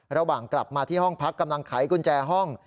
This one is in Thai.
ระหว่างกลับมาที่ห้องพักกำลังไขกุญแจห้อง